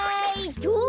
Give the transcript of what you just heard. とう！